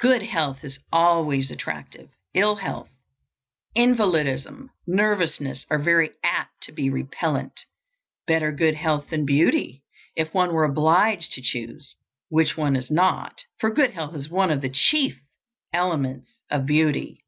Good health is always attractive; ill health, invalidism, nervousness, are very apt to be repellant. Better good health than beauty, if one were obliged to choose which one is not, for good health is one of the chief elements of beauty.